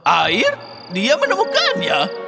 air dia menemukannya